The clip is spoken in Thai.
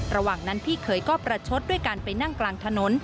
ระหว่างนั้นพี่เคยก็ประชดด้วยการไปนั่งกลางถนน